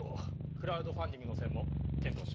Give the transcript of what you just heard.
クラウドファンディングの線も検討しよう。